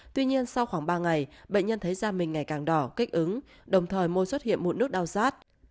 tuy nhiên sau khoảng ba ngày bệnh nhân thấy da mình ngày càng đỏ kích ứng đồng thời môn xuất hiện mụn nước đau rát